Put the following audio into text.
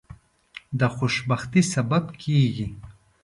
د خوشبختی سبب کیږي.